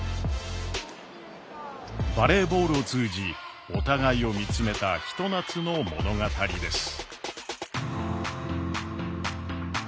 バレーボールを通じお互いを見つめたひと夏の物語です。